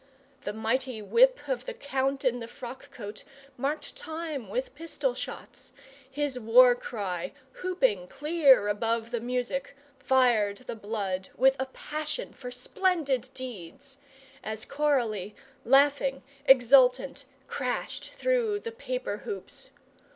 The mighty whip of the count in the frock coat marked time with pistol shots; his war cry, whooping clear above the music, fired the blood with a passion for splendid deeds, as Coralie, laughing, exultant, crashed through the paper hoops.